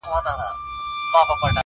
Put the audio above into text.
• نن دي بیا سترګو کي رنګ د میکدو دی..